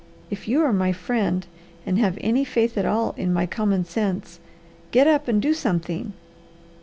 If you are my friend, and have any faith at all in my common sense, get up and do something!"